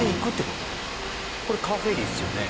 これカーフェリーですよね？